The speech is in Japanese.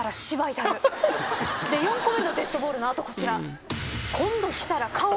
４個目のデッドボールの後こちら。